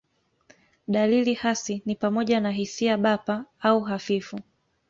Dalili hasi ni pamoja na hisia bapa au hafifu.